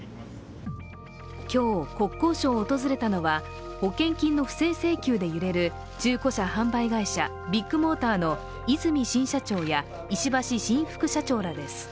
今日、国交省を訪れたのは保険金の不正請求で揺れる中古車販売会社ビッグモーターの和泉新社長や石橋新副社長らです。